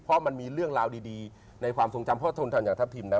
เพราะมันมีเรื่องราวดีในความทรงจำพ่อทนทันอย่างทัพทิมนะ